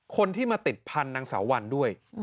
คนที่มาติดพันธุ์นางสาววันด้วย